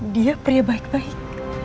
dia pria baik baik